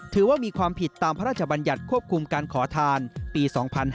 ถือว่ามีความผิดตามพระราชบัญญัติควบคุมการขอทานปี๒๕๕๙